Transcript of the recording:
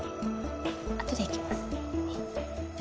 あとで行きます。